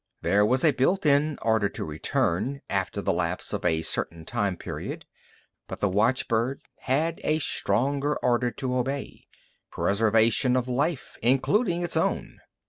There was a built in order to return, after the lapse of a certain time period. But the watchbird had a stronger order to obey preservation of life, including its own.